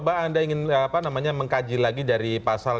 karena ingin coba anda mengkaji lagi dari pasal